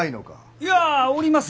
いやおります。